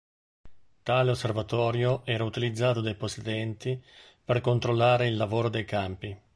Tale osservatorio era utilizzato dai possidenti per controllare il lavoro dei campi.